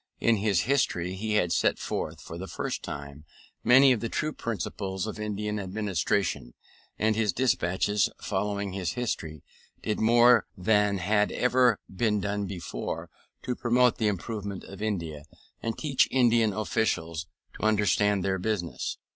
In his History he had set forth, for the first time, many of the true principles of Indian administration: and his despatches, following his History, did more than had ever been done before to promote the improvement of India, and teach Indian officials to understand their business.